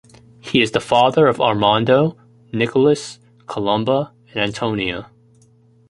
He is the father of Armando, Nicolas, Colomba and Antonia.